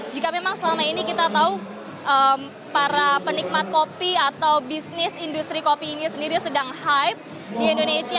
jika memang selama ini kita tahu para penikmat kopi atau bisnis industri kopi ini sendiri sedang hype di indonesia